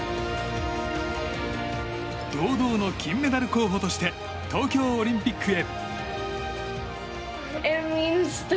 堂々の金メダル候補として東京オリンピックへ。